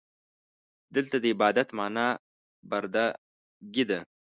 دلته د عبادت معنا برده ګي ده.